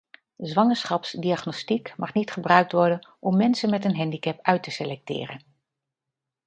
Zwangerschapsdiagnostiek mag niet gebruikt worden om mensen met een handicap uit te selecteren.